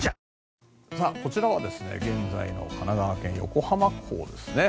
こちらは現在の神奈川県・横浜港ですね。